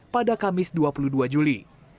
pada kamis dua puluh dua juli